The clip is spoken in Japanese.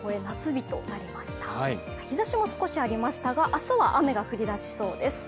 日ざしも少しありましたが、明日は雨が降り出しそうです。